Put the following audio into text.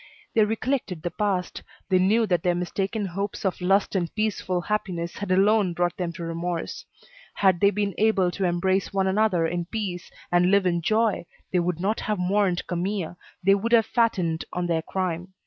They recollected the past, they knew that their mistaken hopes of lust and peaceful happiness had alone brought them to remorse. Had they been able to embrace one another in peace, and live in joy, they would not have mourned Camille, they would have fattened on their crime.